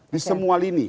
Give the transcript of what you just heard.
di semua lini